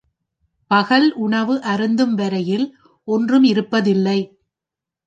பகல் உணவு அருந்தும் வரையில் ஒன்றும் இருப்பதில்லை.